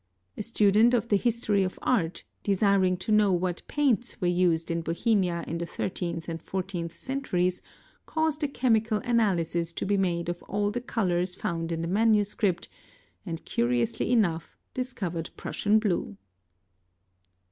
A student of the History of Art, desiring to know what paints were used in Bohemia in the thirteenth and fourteenth centuries, caused _ a chemical analysis to be made of all the colours found in the manuscript, and curiously enough discovered prussian blue.